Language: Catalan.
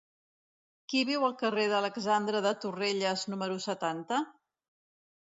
Qui viu al carrer d'Alexandre de Torrelles número setanta?